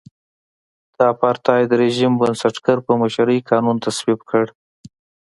د اپارټایډ رژیم بنسټګر په مشرۍ قانون تصویب کړ.